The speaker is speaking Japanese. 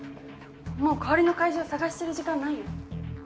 もう代わりの会場探してる時間ないよ。